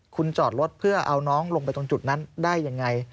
คุณจอดรถเพื่อเอาน้องลงไปตรงจุดนั้นได้ยังไง